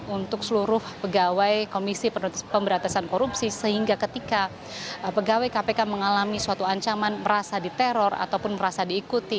untuk seluruh pegawai komisi pemberantasan korupsi sehingga ketika pegawai kpk mengalami suatu ancaman merasa diteror ataupun merasa diikuti